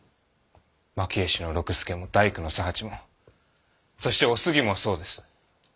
蒔絵師の六助も大工の佐八もそしてお杉もそうです。